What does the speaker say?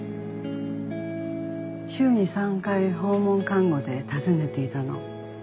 週に３回訪問看護で訪ねていたの。